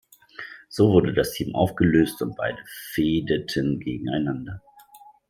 So wurde das Team aufgelöst und beide fehdeten gegeneinander.